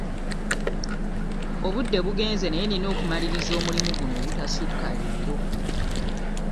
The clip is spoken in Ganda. Obudde bugenze naye nnina okumaliriza omulimu guno obutasukka leero.